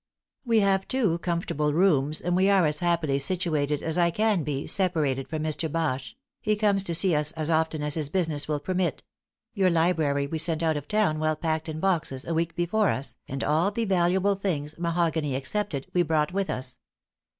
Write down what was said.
We have two comfortable rooms, and we are as happily situated as I can be separated from Mr. Bache; he comes to see us as often as his business will permit. Your library we sent out of town well packed in boxes, a week before us, and all the valuable things, mahogany excepted, we brought with us.